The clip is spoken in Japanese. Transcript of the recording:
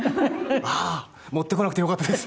ああー持ってこなくてよかったです。